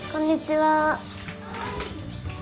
・はい。